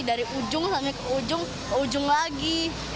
dari ujung sampai ke ujung ke ujung lagi